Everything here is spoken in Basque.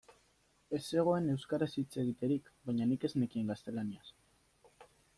Ez zegoen euskaraz hitz egiterik, baina nik ez nekien gaztelaniaz.